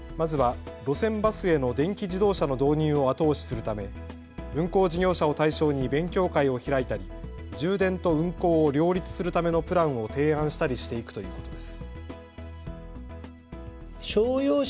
まずは路線バスへの電気自動車の導入を後押しするため運行事業者を対象に勉強会を開いたり、充電と運行を両立するためのプランを提案したりしていくということです。